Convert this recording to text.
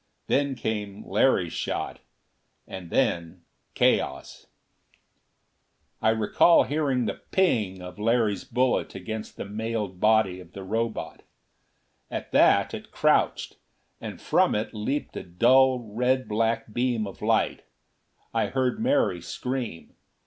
Then came Larry's shot. And then chaos. I recall hearing the ping of Larry's bullet against the mailed body of the Robot. At that it crouched, and from it leaped a dull red black beam of light. I heard Mary scream.